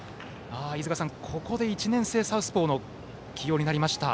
飯塚さん、ここで１年生サウスポーの起用になりました。